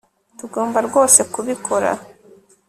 tugomba rwose kubikora